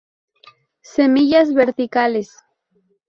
Semillas verticales.